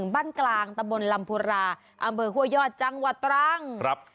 บ้านกลางตะบนลำพุราอำเภอห้วยยอดจังหวัดตรัง